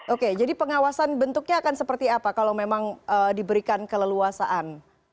oke jadi pengawasan bentuknya akan seperti apa kalau memang diberikan keleluasaan